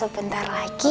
kembali ke rumah ini lagi